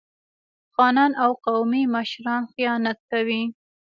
خانان او قومي مشران خیانت کوي.